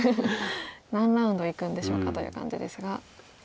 何ラウンドいくんでしょうかという感じですが。